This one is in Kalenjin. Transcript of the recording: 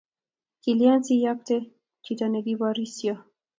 Kilyan siityakte chito ne kiborisyo?